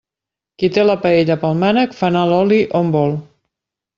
Qui té la paella pel mànec, fa anar l'oli on vol.